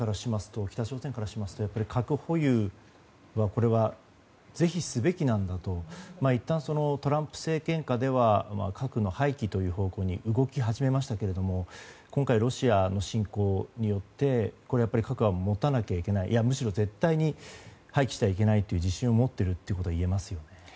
北朝鮮からしますと核保有はぜひすべきなんだといったんトランプ政権下では核の廃棄という方向に動き始めましたけども今回、ロシアの侵攻によって核は持たなきゃいけないむしろ絶対に廃棄してはいけないという自信を持っているといえますよね。